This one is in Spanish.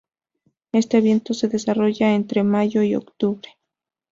Este viento se desarrolla entre mayo y octubre.